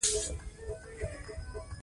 سنگ مرمر د افغانستان د پوهنې نصاب کې شامل دي.